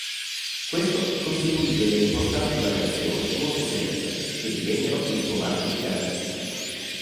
Questo costituì delle importanti variazioni molto creative che divennero il suo marchio di garanzia.